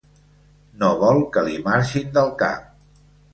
No vol que li marxin del cap.